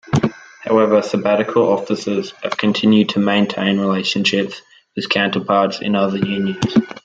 However, sabbatical officers have continued to maintain relationships with counterparts in other unions.